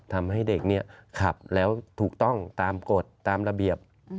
ทำให้เด็กเนี่ยขับแล้วถูกต้องตามกฎตามระเบียบ